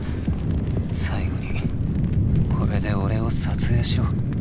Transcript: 最後にこれで俺を撮影しろ。